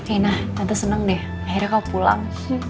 inah nanti seneng deh akhirnya kau pulang